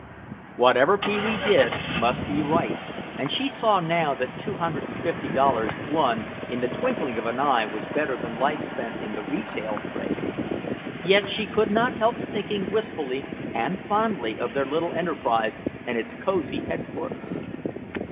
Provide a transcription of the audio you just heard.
Whatever Pee wee did must be right and she saw now that two hundred and fifty dollars won in the twinkling of an eye was better than life spent in the retail trade. Yet she could not help thinking wistfully and fondly of their little enterprise and its cosy headquarters.